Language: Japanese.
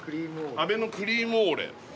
アベのクリームオーレ